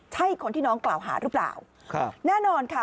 ใช่คนที่น้องกล่าวหาหรือเปล่า